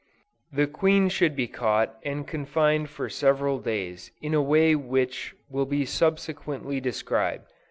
The queen should be caught and confined for several days in a way which will be subsequently described.